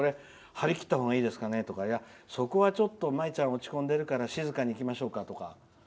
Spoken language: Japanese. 張り切った方がいいですかねとかそこは舞ちゃんが落ち込んでいるから静かにいきましょうとか。